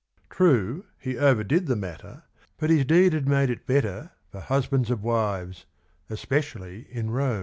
True, he overdid the matter, but his deed had made it bet ter for "husbands of wives, especially in Rome."